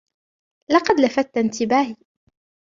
لقد لفتت انتباهي.